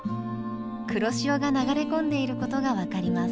黒潮が流れ込んでいることが分かります。